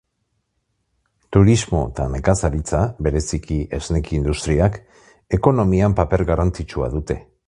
Turismo eta nekazaritza, bereziki esneki industriak, ekonomian paper garrantzitsua dute.